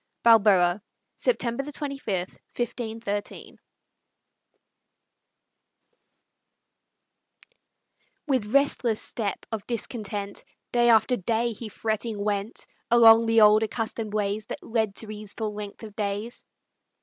BALBOA [September 25, 1513] With restless step of discontent, Day after day he fretting went Along the old accustomed ways That led to easeful length of days.